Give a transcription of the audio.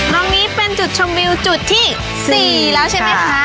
ตรงนี้เป็นจุดชมวิวจุดที่๔แล้วใช่ไหมคะ